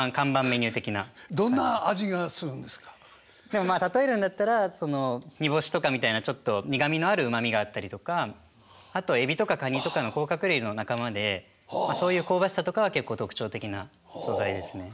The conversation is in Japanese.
でもまあ例えるんだったらニボシとかみたいなちょっと苦みのあるうまみがあったりとかあとはエビとかカニとかの甲殻類の仲間でそういう香ばしさとかは結構特徴的な素材ですね。